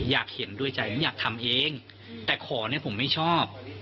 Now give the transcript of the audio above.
อยากเห็นด้วยใจผมอยากทำเองแต่ขอเนี่ยผมไม่ชอบ